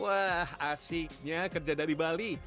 wah asiknya kerja dari bali